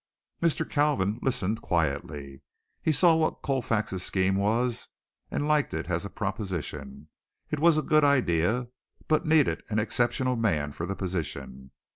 Mr. Kalvin listened quietly. He saw what Colfax's scheme was and liked it as a proposition. It was a good idea, but needed an exceptional man for the position.